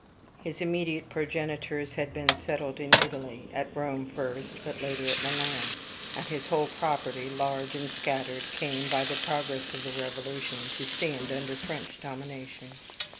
His immediate progenitors had been settled in Italy at Rome first, but latterly at Milan; and his whole property, large and scattered, came, by the progress of the revolution, to stand under French domination.